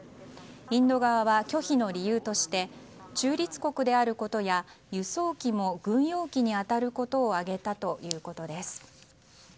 インド側は、拒否の理由として中立国であることや輸送機も軍用機に当たることを挙げたということです。